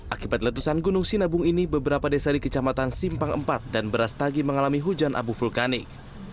akibat letusan gunung sinabung ini beberapa desa di kecamatan simpang empat dan beras tagi mengalami hujan abu vulkanik